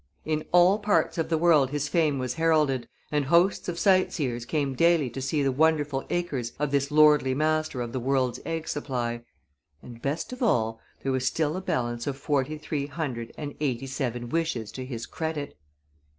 In all parts of the world his fame was heralded, and hosts of sight seers came daily to see the wonderful acres of this lordly master of the world's egg supply. And, best of all, there was still a balance of forty three hundred and eighty seven wishes to his credit!